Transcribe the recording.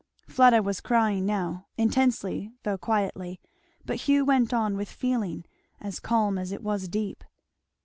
Fleda was crying now, intensely though quietly; but Hugh went on with feeling as calm as it was deep.